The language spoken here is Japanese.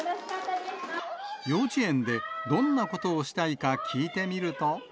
幼稚園でどんなことをしたいか聞いてみると。